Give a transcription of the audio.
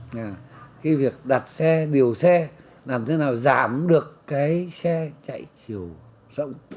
là cái việc đặt xe điều xe làm thế nào giảm được cái xe chạy chiều rộng